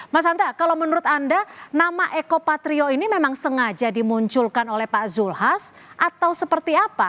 mas anta kalau menurut anda nama eko patrio ini memang sengaja dimunculkan oleh pak zulhas atau seperti apa